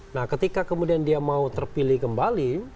nah ketika kemudian dia mau terpilih kembali